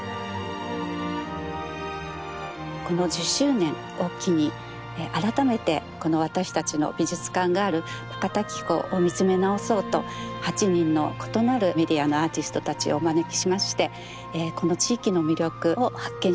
この１０周年を機に改めてこの私たちの美術館がある高滝湖を見つめ直そうと８人の異なるメディアのアーティストたちをお招きしましてこの地域の魅力を発見して頂こう